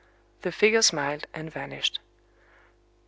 The figure smiled and vanished.